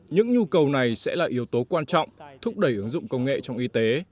những nhu cầu này sẽ là yếu tố quan trọng thúc đẩy ứng dụng công nghệ trong y tế